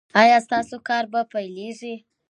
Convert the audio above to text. ایا ستاسو کار به پیلیږي؟